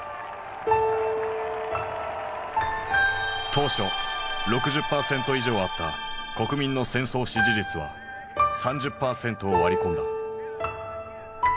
当初６０％以上あった国民の戦争支持率は３０％を割り込んだ。